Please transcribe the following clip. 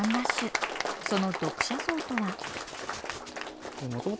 その読者層とは？